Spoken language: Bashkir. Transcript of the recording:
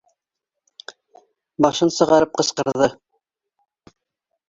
Башын сығарып ҡысҡырҙы: